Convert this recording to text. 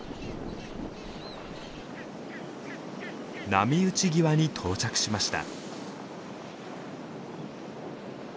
波打ち際に到着しました。